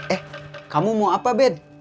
eh kamu mau apa bed